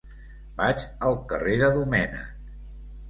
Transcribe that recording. Vaig al carrer de Domènech.